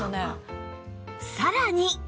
さらに